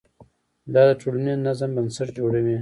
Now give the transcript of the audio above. دا د ټولنیز نظم بنسټ جوړوي.